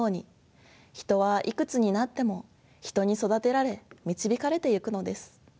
人はいくつになっても人に育てられ導かれてゆくのです。